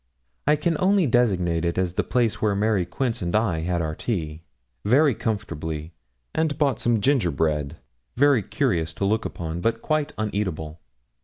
I can only designate it as the place where Mary Quince and I had our tea, very comfortably, and bought some gingerbread, very curious to look upon, but quite uneatable.